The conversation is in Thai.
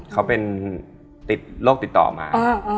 เขาเป็นติดโรคติดต่อมา